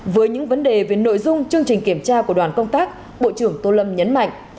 với những vấn đề về nội dung chương trình kiểm tra của đoàn công tác bộ trưởng tô lâm nhấn mạnh